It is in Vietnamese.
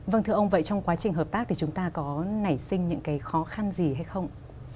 vâng thưa ông vậy trong quá trình hợp tác thì chúng ta có nảy sinh những cái khó khăn gì hay không